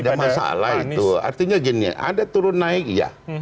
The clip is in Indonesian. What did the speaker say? tidak masalah itu artinya gini ada turun naik iya